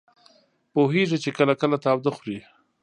پوهېږي چې کله کله تاوده خوري.